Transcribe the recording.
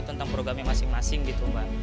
tentang programnya masing masing gitu mbak